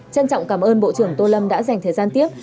trân trọng cảm ơn bộ trưởng tô lâm đã dành thời gian tiếp